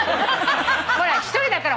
ほら１人だから。